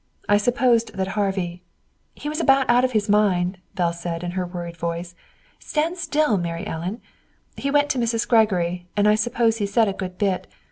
I supposed that Harvey " "He was about out of his mind," Belle said in her worried voice. "Stand still, Mary Ellen! He went to Mrs. Gregory, and I suppose he said a good bit.